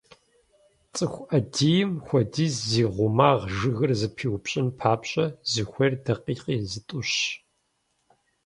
ЦӀыху Ӏэдийм хуэдиз зи гъумагъ жыгыр зэпиупщӀын папщӀэ, зыхуейр дакъикъи зытӀущщ.